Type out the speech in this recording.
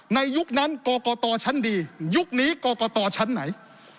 ยุคนั้นกรกตชั้นดียุคนี้กรกตชั้นไหน